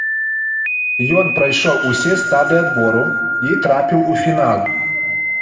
Ён прайшоў усе стадыі адбору і трапіў у фінал.